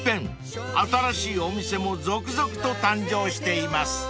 ［新しいお店も続々と誕生しています］